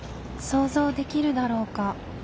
想像できるだろうか。